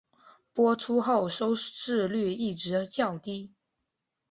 播出后收视率一直较低。